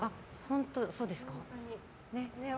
そうですか。